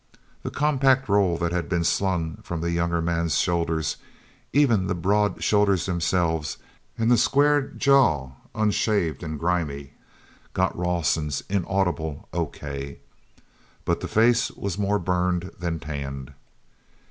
The compact roll that had been slung from the younger man's shoulders, even the broad shoulders themselves, and the square jaw, unshaved and grimy, got Rawson's inaudible, "O. K.!" But the face was more burned than tanned.